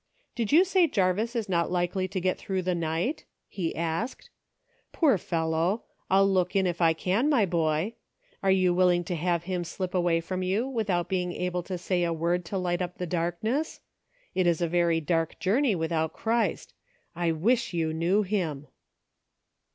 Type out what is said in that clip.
" Do you say Jarvis is not likely to get through the night }" he asked. " Poor fellow ! I'll look in if I can, my boy. Are you willing to have him slip away from you without being able to say a word to light up the darkness .• It is a very dark journey without Christ. I wish you knew him."